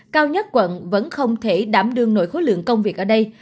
cao nhất quận vẫn không thể đảm đương nội khối lượng công việc ở đây